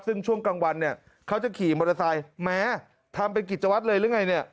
ซึ่งช่วงกลางวันเนี่ยเขาจะขี่มอเตอร์ไซค์แม้ทำเป็นกิจวัตรเลยหรือไงเนี่ย